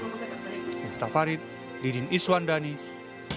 tidak memberikan stigma dan memberikan kesempatan untuk hidup